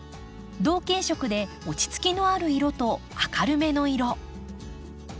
同系色で落ち着きのある色と明るめの色。